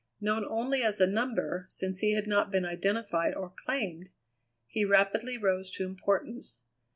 Known only as a number, since he had not been identified or claimed, he rapidly rose to importance.